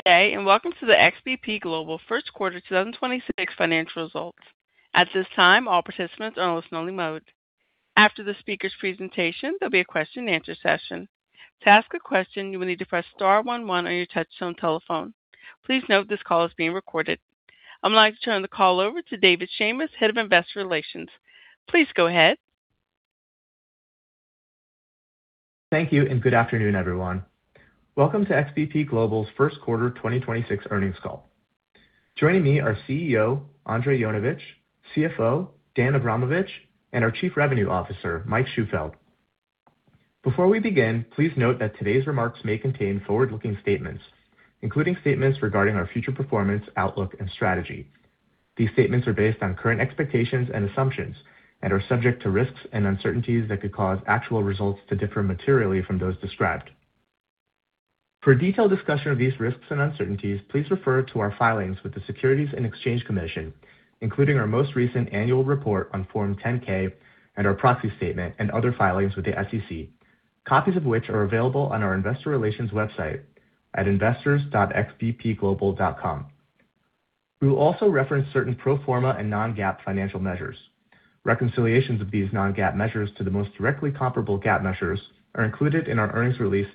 Today, welcome to the XBP Global first quarter 2026 financial results. At this time all participants are in a listen-only mode. After the speakers' presentation there will be a question and answer session. To ask a question you will need to press star one one on your touchstone telephone. Please note this call is being recorded. I'd like to turn the call over to David Shamis, Head of Investor Relations. Please go ahead. Thank you and good afternoon, everyone. Welcome to XBP Global's First Quarter 2026 Earnings Call. Joining me are CEO, Andrej Jonovic, CFO, Dejan Avramovic, and our Chief Revenue Officer, Mike Shufeldt. Before we begin, please note that today's remarks may contain forward-looking statements, including statements regarding our future performance, outlook, and strategy. These statements are based on current expectations and assumptions and are subject to risks and uncertainties that could cause actual results to differ materially from those described. For a detailed discussion of these risks and uncertainties, please refer to our filings with the Securities and Exchange Commission, including our most recent annual report on Form 10-K and our proxy statement and other filings with the SEC, copies of which are available on our investor relations website at investors.xbpglobal.com. We will also reference certain pro forma and non-GAAP financial measures. Reconciliations of these non-GAAP measures to the most directly comparable GAAP measures are included in our earnings release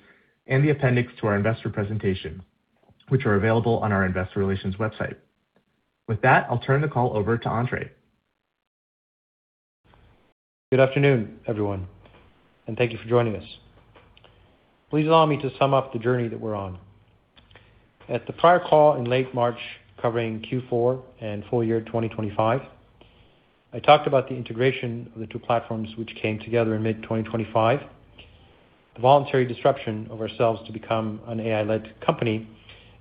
and the appendix to our investor presentation, which are available on our investor relations website. With that, I'll turn the call over to Andrej. Good afternoon, everyone, and thank you for joining us. Please allow me to sum up the journey that we're on. At the prior call in late March, covering Q4 and full year 2025, I talked about the integration of the two platforms which came together in mid-2025, the voluntary disruption of ourselves to become an AI-led company,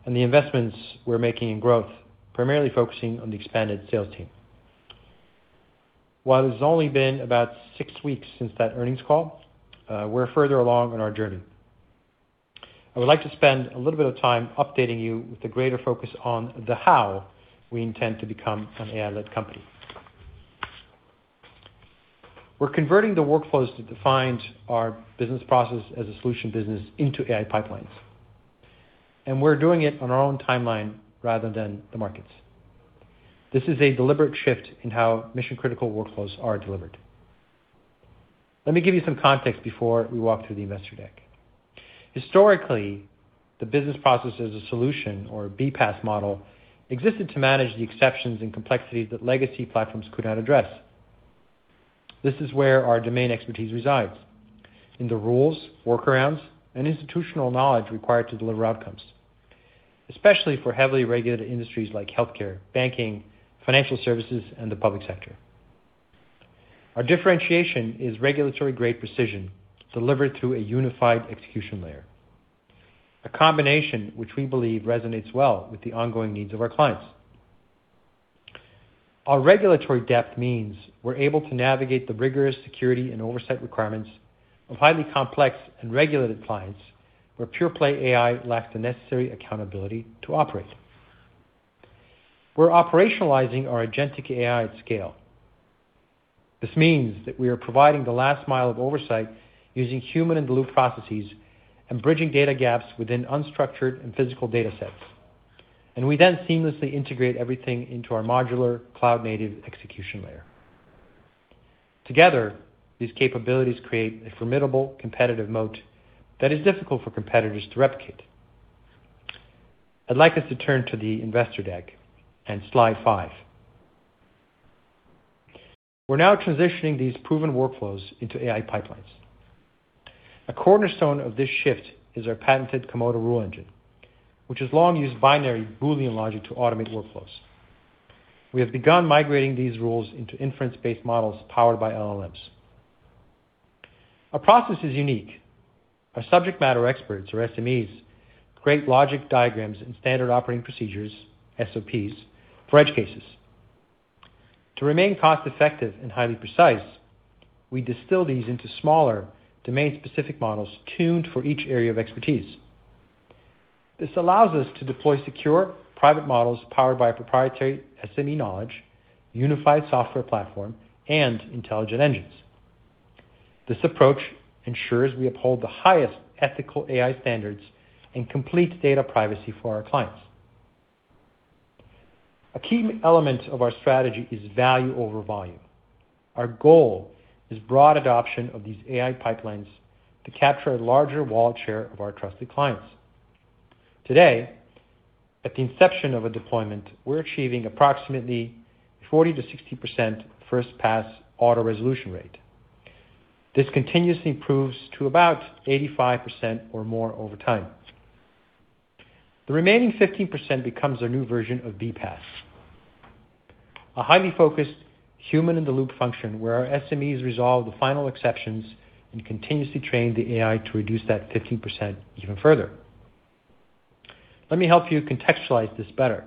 and the investments we're making in growth, primarily focusing on the expanded sales team. It's only been about six weeks since that earnings call, we're further along on our journey. I would like to spend a little bit of time updating you with a greater focus on the how we intend to become an AI-led company. We're converting the workflows that defined our business process as a solution business into AI pipelines, and we're doing it on our own timeline rather than the market's. This is a deliberate shift in how mission-critical workflows are delivered. Let me give you some context before we walk through the investor deck. Historically, the business process as a solution or a BPaaS model existed to manage the exceptions and complexities that legacy platforms could not address. This is where our domain expertise resides, in the rules, workarounds, and institutional knowledge required to deliver outcomes, especially for heavily regulated industries like healthcare, banking, financial services, and the public sector. Our differentiation is regulatory-grade precision delivered through a unified execution layer, a combination which we believe resonates well with the ongoing needs of our clients. Our regulatory depth means we're able to navigate the rigorous security and oversight requirements of highly complex and regulated clients where pure-play AI lacks the necessary accountability to operate. We're operationalizing our agentic AI at scale. This means that we are providing the last mile of oversight using human-in-the-loop processes and bridging data gaps within unstructured and physical datasets. We then seamlessly integrate everything into our modular cloud-native execution layer. Together, these capabilities create a formidable competitive moat that is difficult for competitors to replicate. I'd like us to turn to the investor deck and slide five. We're now transitioning these proven workflows into AI pipelines. A cornerstone of this shift is our patented Komodo Rule Engine, which has long used binary Boolean logic to automate workflows. We have begun migrating these rules into inference-based models powered by LLMs. Our process is unique. Our subject matter experts or SMEs create logic diagrams and standard operating procedures, SOPs, for edge cases. To remain cost-effective and highly precise, we distill these into smaller domain-specific models tuned for each area of expertise. This allows us to deploy secure private models powered by a proprietary SME knowledge, unified software platform, and intelligent engines. This approach ensures we uphold the highest ethical AI standards and complete data privacy for our clients. A key element of our strategy is value over volume. Our goal is broad adoption of these AI pipelines to capture a larger wallet share of our trusted clients. Today, at the inception of a deployment, we're achieving approximately 40%-60% first pass auto resolution rate. This continuously improves to about 85% or more over time. The remaining 15% becomes our new version of BPaaS, a highly focused human-in-the-loop function where our SMEs resolve the final exceptions and continuously train the AI to reduce that 15% even further. Let me help you contextualize this better.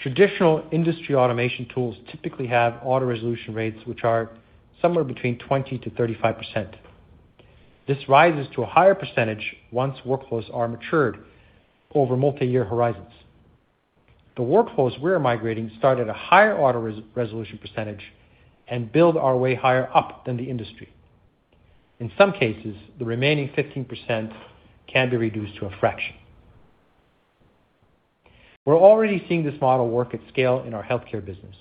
Traditional industry automation tools typically have auto resolution rates which are somewhere between 20%-35%. This rises to a higher percentage once workflows are matured over multi-year horizons. The workflows we're migrating start at a higher auto-resolution percentage and build our way higher up than the industry. In some cases, the remaining 15% can be reduced to a fraction. We're already seeing this model work at scale in our healthcare business,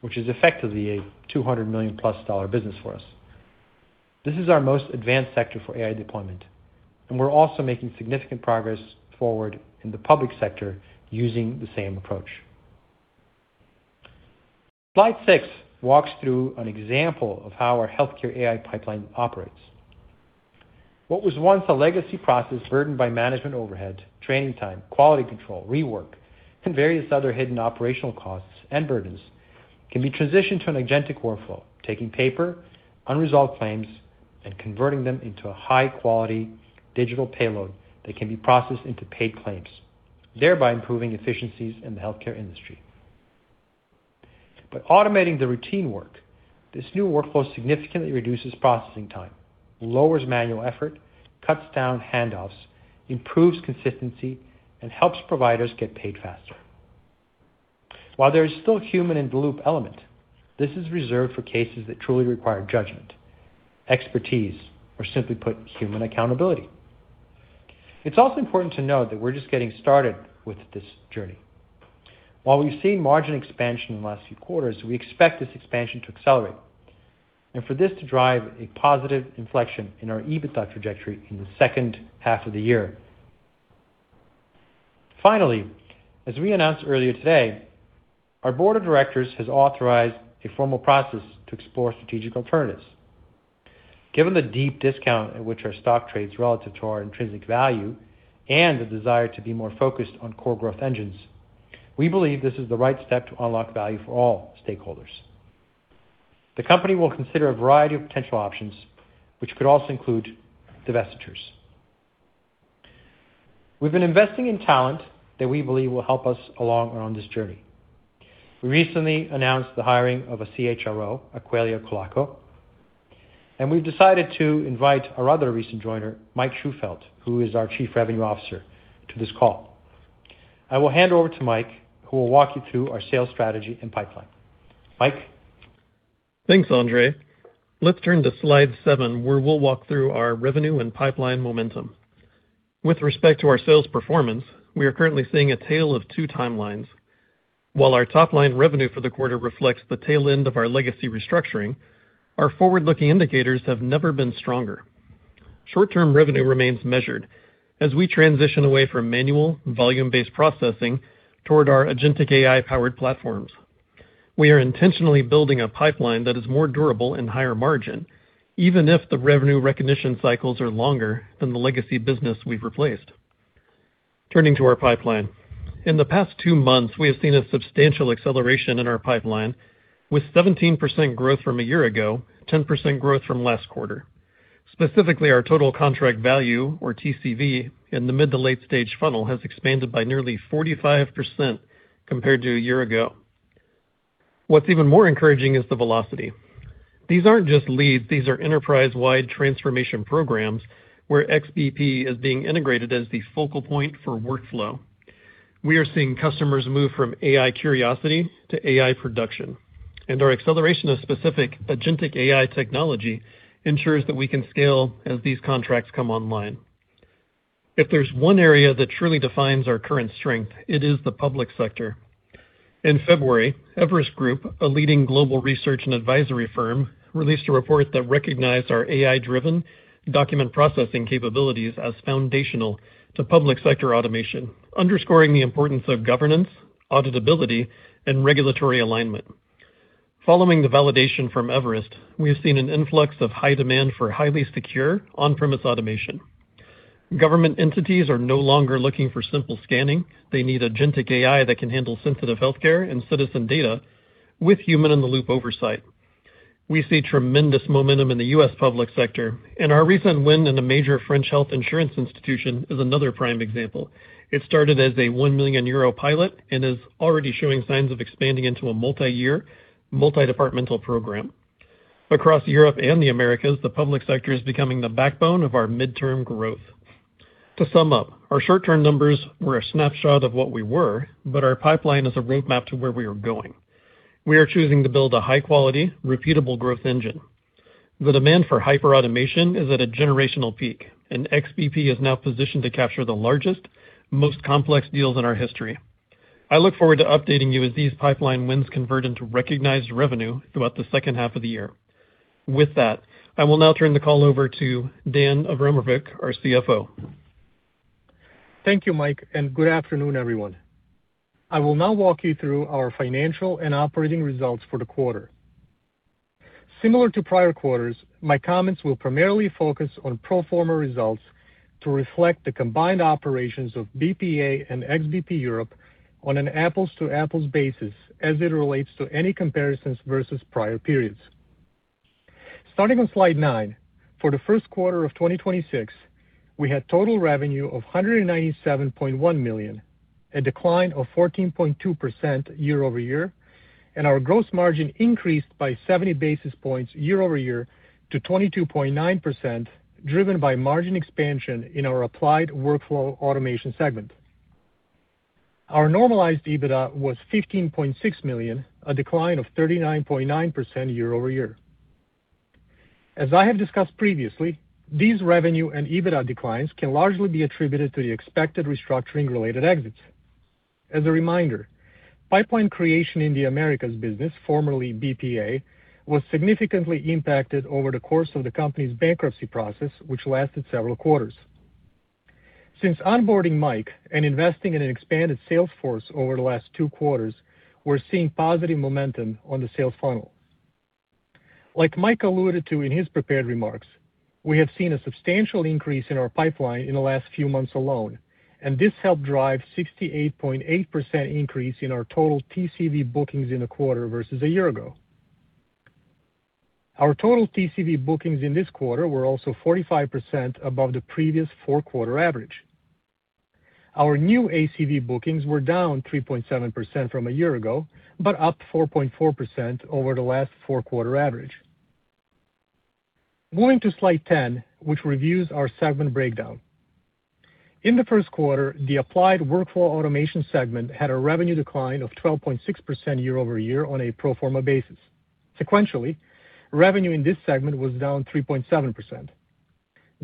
which is effectively a $200 million+ business for us. This is our most advanced sector for AI deployment, and we're also making significant progress forward in the public sector using the same approach. Slide six walks through an example of how our healthcare AI pipeline operates. What was once a legacy process burdened by management overhead, training time, quality control, rework, and various other hidden operational costs and burdens can be transitioned to an agentic workflow, taking paper, unresolved claims, and converting them into a high-quality digital payload that can be processed into paid claims, thereby improving efficiencies in the healthcare industry. By automating the routine work, this new workflow significantly reduces processing time, lowers manual effort, cuts down handoffs, improves consistency, and helps providers get paid faster. While there is still human-in-the-loop element, this is reserved for cases that truly require judgment, expertise or simply put, human accountability. It is also important to note that we are just getting started with this journey. While we've seen margin expansion in the last few quarters, we expect this expansion to accelerate, and for this to drive a positive inflection in our EBITDA trajectory in the second half of the year. Finally, as we announced earlier today, our board of directors has authorized a formal process to explore strategic alternatives. Given the deep discount at which our stock trades relative to our intrinsic value and the desire to be more focused on core growth engines, we believe this is the right step to unlock value for all stakeholders. The company will consider a variety of potential options, which could also include divestitures. We've been investing in talent that we believe will help us along on this journey. We recently announced the hiring of a CHRO, Acquelia Colaco, and we've decided to invite our other recent joiner, Mike Shufeldt, who is our Chief Revenue Officer, to this call. I will hand over to Mike, who will walk you through our sales strategy and pipeline. Mike. Thanks, Andrej. Let's turn to slide seven, where we'll walk through our revenue and pipeline momentum. With respect to our sales performance, we are currently seeing a tale of two timelines. While our top-line revenue for the quarter reflects the tail end of our legacy restructuring, our forward-looking indicators have never been stronger. Short-term revenue remains measured as we transition away from manual volume-based processing toward our agentic AI-powered platforms. We are intentionally building a pipeline that is more durable and higher margin, even if the revenue recognition cycles are longer than the legacy business we've replaced. Turning to our pipeline. In the past two months, we have seen a substantial acceleration in our pipeline with 17% growth from a year ago, 10% growth from last quarter. Specifically, our total contract value, or TCV, in the mid to late-stage funnel has expanded by nearly 45% compared to a year ago. What's even more encouraging is the velocity. These aren't just leads, these are enterprise-wide transformation programs where XBP is being integrated as the focal point for workflow. We are seeing customers move from AI curiosity to AI production, and our acceleration of specific agentic AI technology ensures that we can scale as these contracts come online. If there's one area that truly defines our current strength, it is the public sector. In February, Everest Group, a leading global research and advisory firm, released a report that recognized our AI-driven document processing capabilities as foundational to public sector automation, underscoring the importance of governance, auditability, and regulatory alignment. Following the validation from Everest, we have seen an influx of high demand for highly secure on-premise automation. Government entities are no longer looking for simple scanning. They need agentic AI that can handle sensitive healthcare and citizen data with human-in-the-loop oversight. We see tremendous momentum in the U.S. public sector, and our recent win in a major French health insurance institution is another prime example. It started as a 1 million euro pilot and is already showing signs of expanding into a multi-year, multi-departmental program. Across Europe and the Americas, the public sector is becoming the backbone of our midterm growth. To sum up, our short-term numbers were a snapshot of what we were, but our pipeline is a roadmap to where we are going. We are choosing to build a high-quality, repeatable growth engine. The demand for hyperautomation is at a generational peak, and XBP is now positioned to capture the largest, most complex deals in our history. I look forward to updating you as these pipeline wins convert into recognized revenue throughout the second half of the year. With that, I will now turn the call over to Dejan Avramovic, our CFO. Thank you, Mike, and good afternoon, everyone. I will now walk you through our financial and operating results for the quarter. Similar to prior quarters, my comments will primarily focus on pro forma results to reflect the combined operations of BPA and XBP Europe on an apples-to-apples basis as it relates to any comparisons versus prior periods. Starting on slide nine, for the first quarter of 2026, we had total revenue of $197.1 million, a decline of 14.2% year-over-year, and our gross margin increased by 70 basis points year-over-year to 22.9%, driven by margin expansion in our Applied Workflow Automation segment. Our normalized EBITDA was $15.6 million, a decline of 39.9% year-over-year. As I have discussed previously, these revenue and EBITDA declines can largely be attributed to the expected restructuring related exits. As a reminder, pipeline creation in the Americas business, formerly BPA, was significantly impacted over the course of the company's bankruptcy process, which lasted several quarters. Since onboarding Mike and investing in an expanded sales force over the last two quarters, we're seeing positive momentum on the sales funnel. Like Mike alluded to in his prepared remarks, we have seen a substantial increase in our pipeline in the last few months alone, and this helped drive 68.8% increase in our total TCV bookings in the quarter versus a year ago. Our total TCV bookings in this quarter were also 45% above the previous four-quarter average. Our new ACV bookings were down 3.7% from a year ago, but up 4.4% over the last four-quarter average. Moving to slide 10, which reviews our segment breakdown. In the first quarter, the Applied Workflow Automation segment had a revenue decline of 12.6% year-over-year on a pro forma basis. Sequentially, revenue in this segment was down 3.7%.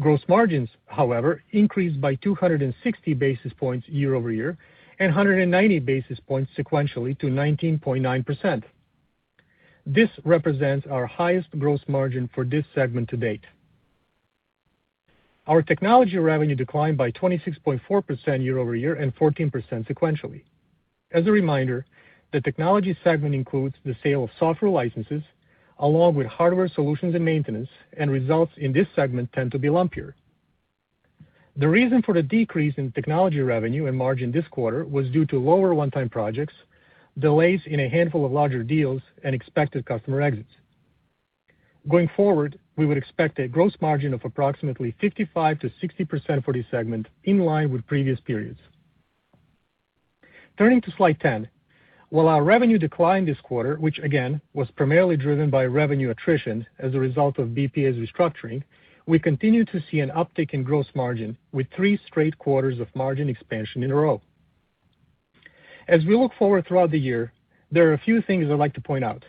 Gross margins, however, increased by 260 basis points year-over-year and 190 basis points sequentially to 19.9%. This represents our highest gross margin for this segment to date. Our Technology revenue declined by 26.4% year-over-year and 14% sequentially. As a reminder, the Technology segment includes the sale of software licenses along with hardware solutions and maintenance, and results in this segment tend to be lumpier. The reason for the decrease in Technology revenue and margin this quarter was due to lower one-time projects, delays in a handful of larger deals, and expected customer exits. Going forward, we would expect a gross margin of approximately 55%-60% for this segment in line with previous periods. Turning to slide 10. While our revenue declined this quarter, which again was primarily driven by revenue attrition as a result of BPA's restructuring, we continue to see an uptick in gross margin with three straight quarters of margin expansion in a row. As we look forward throughout the year, there are a few things I'd like to point out.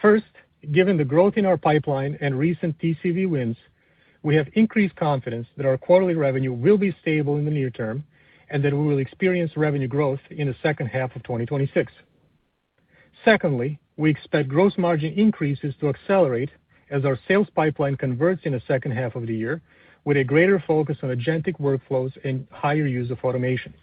First, given the growth in our pipeline and recent TCV wins, we have increased confidence that our quarterly revenue will be stable in the near term, and that we will experience revenue growth in the second half of 2026. Secondly, we expect gross margin increases to accelerate as our sales pipeline converts in the second half of the year with a greater focus on agentic workflows and higher use of automation.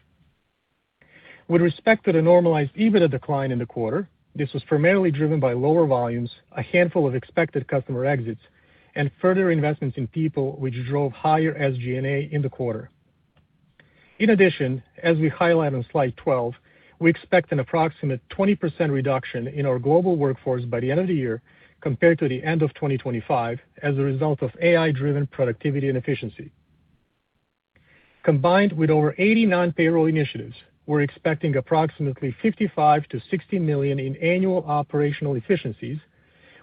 With respect to the normalized EBITDA decline in the quarter, this was primarily driven by lower volumes, a handful of expected customer exits, and further investments in people which drove higher SG&A in the quarter. In addition, as we highlight on slide 12, we expect an approximate 20% reduction in our global workforce by the end of the year compared to the end of 2025 as a result of AI-driven productivity and efficiency. Combined with over 80 non-payroll initiatives, we're expecting approximately $55 million-$60 million in annual operational efficiencies,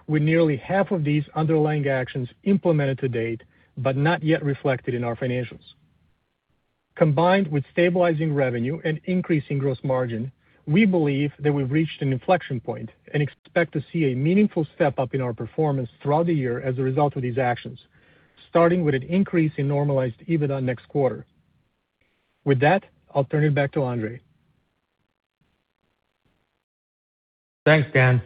with nearly half of these underlying actions implemented to date but not yet reflected in our financials. Combined with stabilizing revenue and increasing gross margin, we believe that we've reached an inflection point and expect to see a meaningful step-up in our performance throughout the year as a result of these actions, starting with an increase in normalized EBITDA next quarter. With that, I'll turn it back to Andrej. Thanks, Dejan.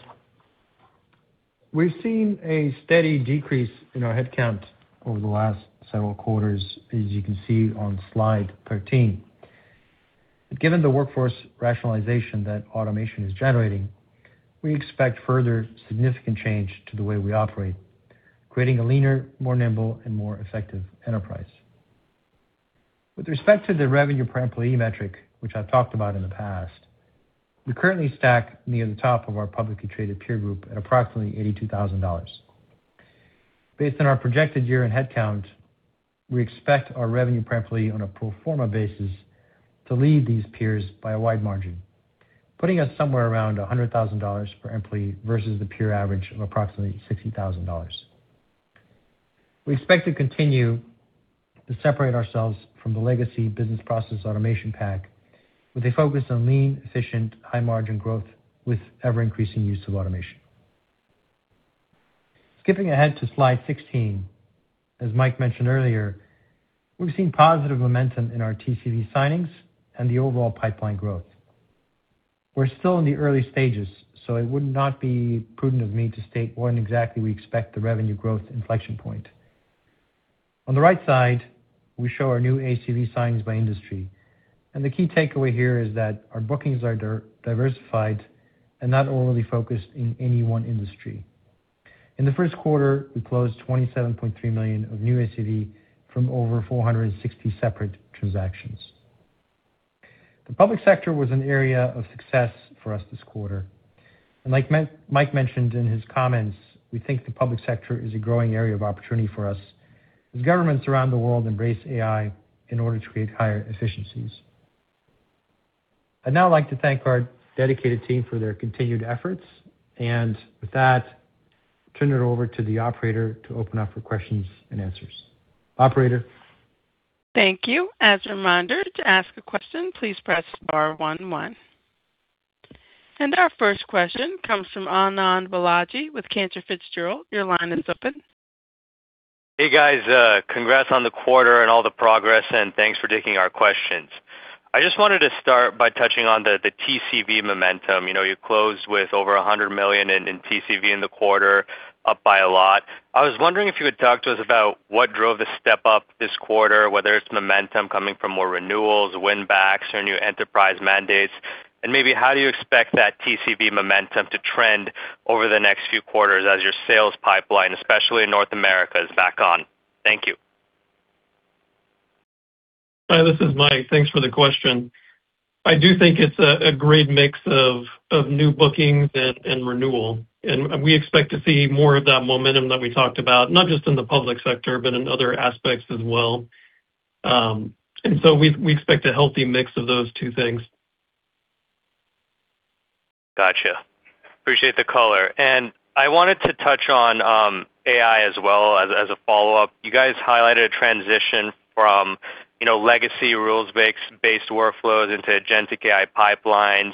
We've seen a steady decrease in our headcount over the last several quarters, as you can see on slide 13. Given the workforce rationalization that automation is generating, we expect further significant change to the way we operate, creating a leaner, more nimble and more effective enterprise. With respect to the revenue per employee metric, which I've talked about in the past, we currently stack near the top of our publicly traded peer group at approximately $82,000. Based on our projected year-end headcount, we expect our revenue per employee on a pro forma basis to lead these peers by a wide margin, putting us somewhere around $100,000 per employee versus the peer average of approximately $60,000. We expect to continue to separate ourselves from the legacy business process automation pack with a focus on lean, efficient, high margin growth with ever-increasing use of automation. Skipping ahead to slide 16. As Mike mentioned earlier, we've seen positive momentum in our TCV signings and the overall pipeline growth. We're still in the early stages, it would not be prudent of me to state when exactly we expect the revenue growth inflection point. On the right side, we show our new ACV signings by industry, the key takeaway here is that our bookings are diversified and not overly focused in any one industry. In the first quarter, we closed $27.3 million of new ACV from over 460 separate transactions. The public sector was an area of success for us this quarter. Like Mike mentioned in his comments, we think the public sector is a growing area of opportunity for us as governments around the world embrace AI in order to create higher efficiencies. I'd now like to thank our dedicated team for their continued efforts. Turn it over to the operator to open up for questions and answers. Operator? Thank you. As a reminder, to ask a question, please press star one one. Our first question comes from Anand Balaji with Cantor Fitzgerald. Your line is open. Hey, guys. Congrats on the quarter and all the progress, thanks for taking our questions. I just wanted to start by touching on the TCV momentum. You know, you closed with over $100 million in TCV in the quarter, up by a lot. I was wondering if you would talk to us about what drove the step up this quarter, whether it's momentum coming from more renewals, win backs, or new enterprise mandates, maybe how do you expect that TCV momentum to trend over the next few quarters as your sales pipeline, especially in North America, is back on? Thank you. Hi, this is Mike. Thanks for the question. I do think it's a great mix of new bookings and renewal. We expect to see more of that momentum that we talked about, not just in the public sector, but in other aspects as well. We expect a healthy mix of those two things. Gotcha. Appreciate the color. I wanted to touch on AI as well as a follow-up. You guys highlighted a transition from, you know, legacy rules-based workflows into agentic AI pipelines,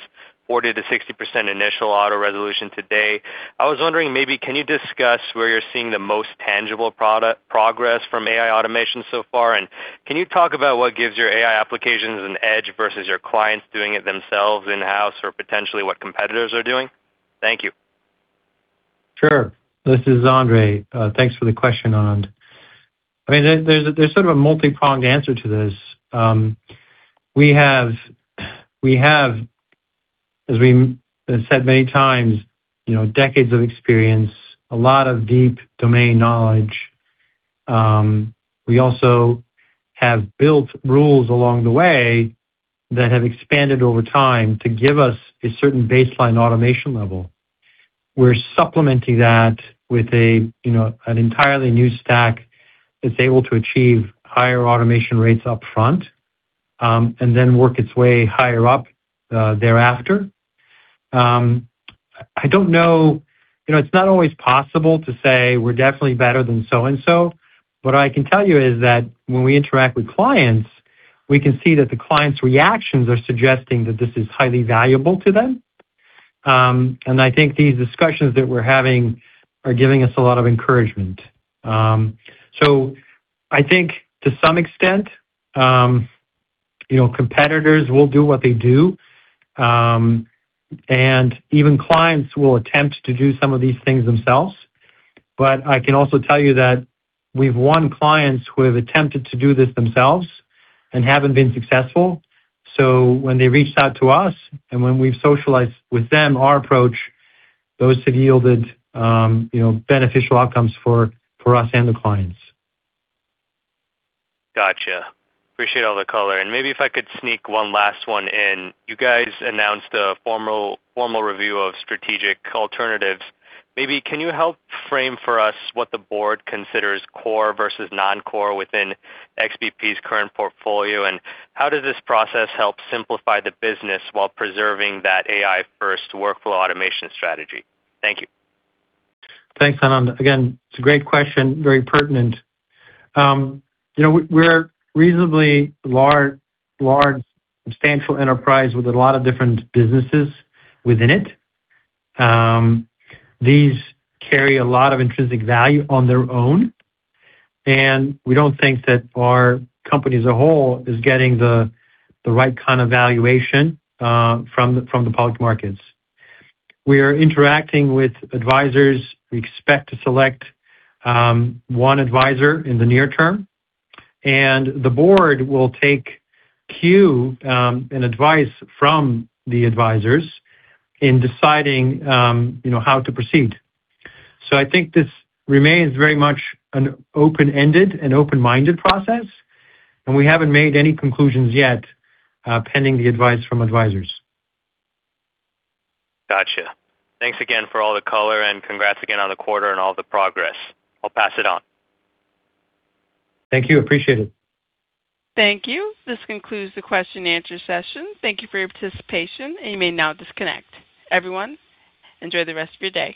40%-60% initial auto resolution today. I was wondering maybe can you discuss where you're seeing the most tangible progress from AI automation so far, and can you talk about what gives your AI applications an edge versus your clients doing it themselves in-house or potentially what competitors are doing? Thank you. Sure. This is Andrej. Thanks for the question, Anand. I mean, there's sort of a multi-pronged answer to this. We have, as we said many times, you know, decades of experience, a lot of deep domain knowledge. We also have built rules along the way that have expanded over time to give us a certain baseline automation level. We're supplementing that with a, you know, an entirely new stack that's able to achieve higher automation rates up front and then work its way higher up thereafter. I don't know, you know, it's not always possible to say we're definitely better than so and so. What I can tell you is that when we interact with clients, we can see that the client's reactions are suggesting that this is highly valuable to them. I think these discussions that we're having are giving us a lot of encouragement. I think to some extent, you know, competitors will do what they do, and even clients will attempt to do some of these things themselves. I can also tell you that we've won clients who have attempted to do this themselves and haven't been successful. When they reached out to us and when we've socialized with them our approach, those have yielded, you know, beneficial outcomes for us and the clients. Gotcha. Appreciate all the color. Maybe if I could sneak one last one in. You guys announced a formal review of strategic alternatives. Can you help frame for us what the board considers core versus non-core within XBP's current portfolio, and how does this process help simplify the business while preserving that AI-first workflow automation strategy? Thank you. Thanks, Anand. Again, it's a great question, very pertinent. You know, we're reasonably large substantial enterprise with a lot of different businesses within it. These carry a lot of intrinsic value on their own, and we don't think that our company as a whole is getting the right kind of valuation from the public markets. We are interacting with advisors. We expect to select one advisor in the near term, and the board will take cue and advice from the advisors in deciding, you know, how to proceed. I think this remains very much an open-ended and open-minded process, and we haven't made any conclusions yet pending the advice from advisors. Gotcha. Thanks again for all the color, and congrats again on the quarter and all the progress. I'll pass it on. Thank you. Appreciate it. Thank you. This concludes the question and answer session. Thank you for your participation, and you may now disconnect. Everyone, enjoy the rest of your day.